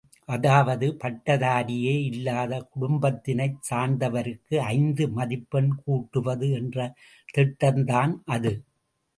அதாவது பட்டதாரியே இல்லாத குடும்பத்தினைச் சார்ந்தவருக்கு ஐந்து மதிப்பெண் கூட்டுவது என்ற திட்டம்தான் அது.